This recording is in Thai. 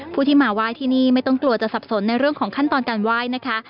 ผู้ที่มาไหว้ที่นี่ไม่ต้องกลัวจะสับสนในเรื่องของขั้นตอนการไหว้นะคะ